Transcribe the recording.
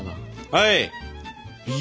はい！